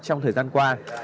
trong thời gian qua